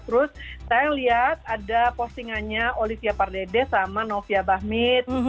terus saya lihat ada postingannya olivia pardede sama novia bahmit